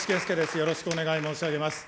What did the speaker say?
よろしくお願い申し上げます。